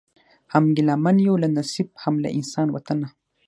هم ګیله من یو له نصیب هم له انسان وطنه